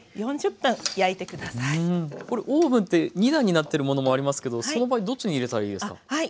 これオーブンって２段になってるものもありますけどその場合どっちに入れたらいいですか？